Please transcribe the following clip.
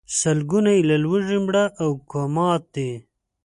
سلګونه یې له لوږې مړه او کوما دي.